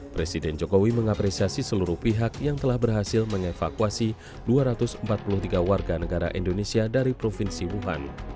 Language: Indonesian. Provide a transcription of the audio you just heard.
presiden jokowi mengapresiasi seluruh pihak yang telah berhasil mengevakuasi dua ratus empat puluh tiga warga negara indonesia dari provinsi wuhan